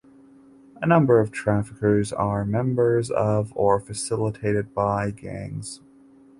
A number of traffickers are members of or facilitated by gangs.